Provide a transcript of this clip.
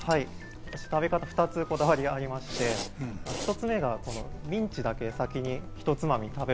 ２つ、こだわりがありまして、１つ目がミンチだけ先にひとつまみ食べる。